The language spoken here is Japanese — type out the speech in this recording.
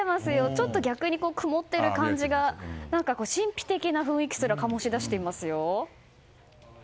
ちょっと、逆に曇ってる感じが神秘的な雰囲気すら醸し出していますよ。